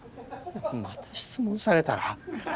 また質問されたら。